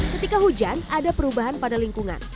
ketika hujan ada perubahan pada lingkungan